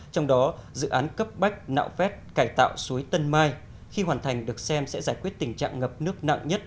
trong đó dự án cấp bách nạo vét cải tạo suối tân mai khi hoàn thành được xem sẽ giải quyết tình trạng ngập nước nặng nhất